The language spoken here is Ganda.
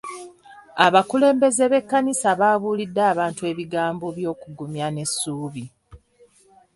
Abakulembeze b'ekkanisa babuuliridde abantu ebigambo by'okugumya n'essuubi.